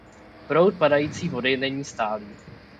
Proud padající vody není stálý.